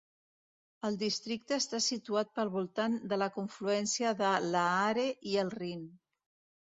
El districte està situat pel voltant de la confluència de l'Aare i el Rin.